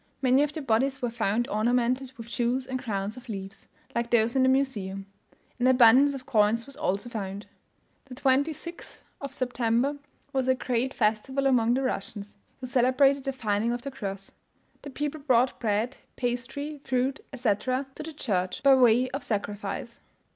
Many of the bodies were found ornamented with jewels and crowns of leaves, like those in the Museum; an abundance of coins was also found. The 26th of September was a great festival among the Russians, who celebrated the finding of the cross. The people brought bread, pastry, fruit, etc., to the church, by way of sacrifice.